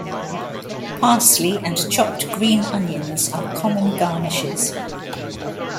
Parsley and chopped green onions are common garnishes.